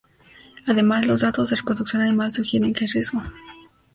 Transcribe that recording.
Además, los datos de reproducción animal sugieren que hay riesgo.